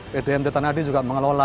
pdam tirtanadi juga mengelola air minum